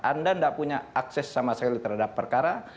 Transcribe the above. anda tidak punya akses sama sekali terhadap perkara